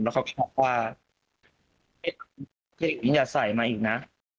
แล้วเขาแข็งบอกว่าคืออย่างนี้อย่าใส่มาอีกนะ